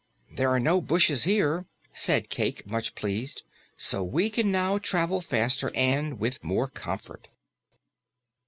"There are no bushes here," said Cayke, much pleased, "so we can now travel faster and with more comfort."